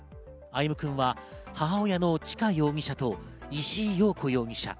歩夢くんは母親の知香容疑者と石井陽子容疑者。